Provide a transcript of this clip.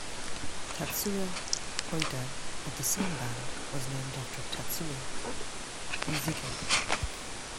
Tatsuya Ueda, of the same band, was named after Tatsuya Uesugi.